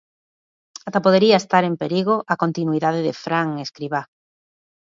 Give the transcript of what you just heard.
Ata podería estar en perigo a continuidade de Fran Escribá.